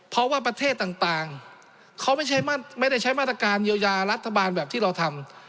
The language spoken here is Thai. เพราะว่าประเทศต่างเขาไม่ได้ใช้มาตรการเยียวยารัฐบาลแบบที่เราทำ